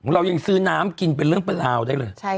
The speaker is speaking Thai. เรายังซื้อน้ำกินเป็นเรื่องเป็นราวได้เลย